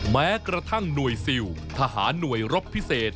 แม้กระทั่งหน่วยซิลทหารหน่วยรบพิเศษ